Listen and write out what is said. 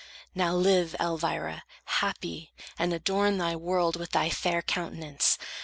"Now live, Elvira, happy, and adorn The world with thy fair countenance.